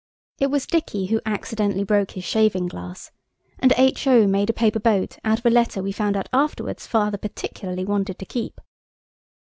It was Dicky who accidentally broke his shaving glass, and H.O. made a paper boat out of a letter we found out afterwards Father particularly wanted to keep.